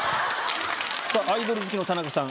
アイドル好きの田中さん。